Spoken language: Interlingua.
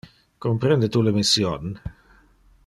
Comprende tu le mission?